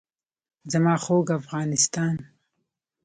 زما خوږ افغانستان.